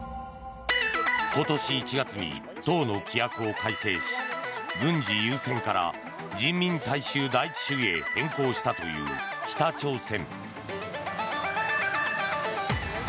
今年１月に党の規約を改正し軍事優先から人民大衆第一主義へ変更したという北朝鮮。